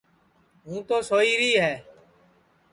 ہوں تو سوئی ری ہے